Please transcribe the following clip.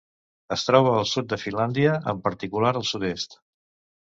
Es troba al sud de Finlàndia, en particular, al sud-est.